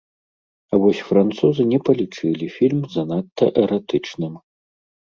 А вось французы не палічылі фільм занадта эратычным.